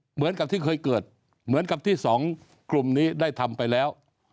เหมือนกับที่เคยเกิดเหมือนกับที่สองกลุ่มนี้ได้ทำไปแล้ว